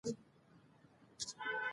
مرګ او ژوبله پکې ډېره کېده.